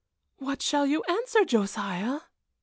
"What shall you answer, Josiah?"